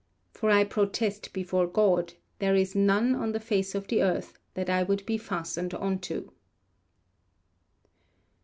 For I protest before God, there is none, on the face of the earth, that I would be fastened unto.